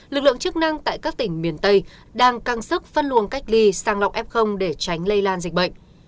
lực lượng chức năng tại các tỉnh miền tây đang căng sức phân luồng cách ly sang lọc f để tránh lây lan dịch bệnh